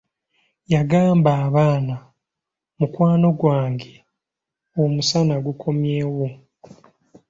Yagamba abaana, mukwano gwange, omusana gukomyeewol!